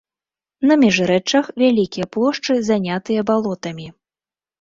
На міжрэччах вялікія плошчы занятыя балотамі.